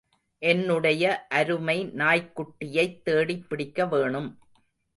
என்னுடைய அருமை நாய்க் குட்டியைத் தேடிப்பிடிக்க வேணும்.